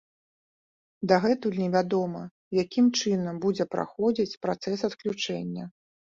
Дагэтуль невядома, якім чынам будзе праходзіць працэс адключэння.